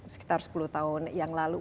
sekitar sepuluh tahun yang lalu